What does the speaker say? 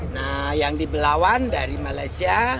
nah yang di belawan dari malaysia